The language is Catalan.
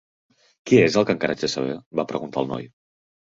"Què és el que encara haig de saber?", va preguntar el noi.